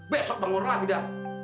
besok bangun lah ida